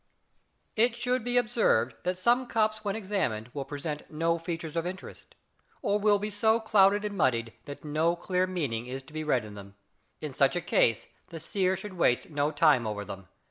It should be observed that some cups when examined will present no features of interest, or will be so clouded and muddled that no clear meaning is to be read in them. In such a case the seer should waste no time over them.